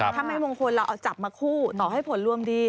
ถ้าไม่มงคลเราเอาจับมาคู่ต่อให้ผลรวมดี